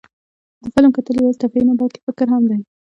د فلم کتل یوازې تفریح نه، بلکې فکر هم دی.